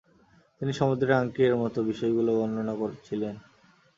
তিনি "সমুদ্রের-আংটি" এর মতো বিষয়গুলো বর্ণনা করেছিলেন।